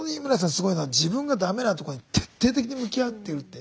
すごいのは自分が駄目なとこに徹底的に向き合ってるって。